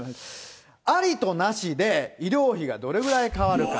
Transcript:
ありとなしで医療費がどれぐらい変わるか。